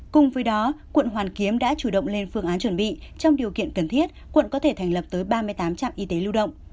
cùng với đó quận hoàn kiếm đã chủ động lên phương án chuẩn bị trong điều kiện cần thiết quận có thể thành lập tới ba mươi tám trạm y tế lưu động